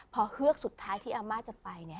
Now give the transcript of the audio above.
พอเฮือกสุดท้ายที่อาม่าจะไปเนี่ย